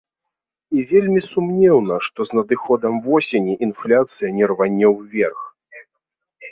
І вельмі сумнеўна, што з надыходам восені інфляцыя не рване ўверх.